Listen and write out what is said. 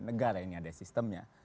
negara ini ada sistemnya